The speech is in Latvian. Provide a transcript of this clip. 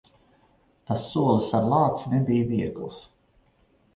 Tas solis ar lāci nebija viegls.